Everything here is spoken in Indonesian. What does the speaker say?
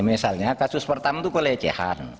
misalnya kasus pertama itu pelecehan